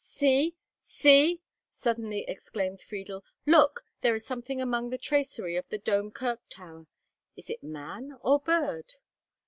"See! see!" suddenly exclaimed Friedel; "look! there is something among the tracery of the Dome Kirk Tower. Is it man or bird?"